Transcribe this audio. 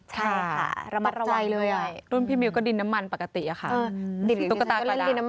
ใช่ค่ะรับใจเลยรุ่นพี่มิลก็ดินน้ำมันปกติอ่ะค่ะดินน้ำ